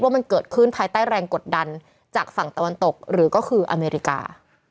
ว่ามันเกิดขึ้นภายใต้แรงกดดันจากฝั่งตะวันตกหรือก็คืออเมริกา